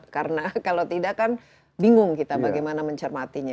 karena kalau tidak kan bingung kita bagaimana mencermatinya